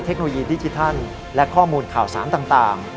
เทคโนโลยีดิจิทัลและข้อมูลข่าวสารต่าง